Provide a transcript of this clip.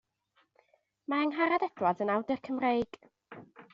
Mae Angharad Edwards yn awdur Cymreig.